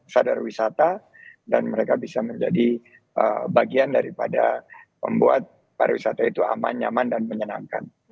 sadar wisata dan mereka bisa menjadi bagian daripada membuat pariwisata itu aman nyaman dan menyenangkan